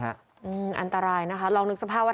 อันตรายนะคะลองนึกสภาพว่า